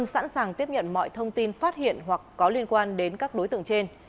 sẵn sàng tiếp nhận mọi thông tin phát hiện hoặc có liên quan đến các đối tượng trên